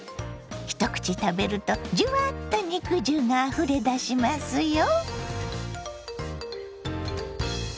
一口食べるとじゅわっと肉汁があふれ出しますよ。